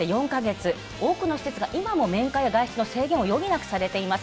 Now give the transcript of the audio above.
多くの施設が今も面会や外出の制限を余儀なくされています。